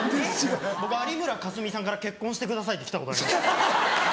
僕有村架純さんから「結婚してください」って来たことあります。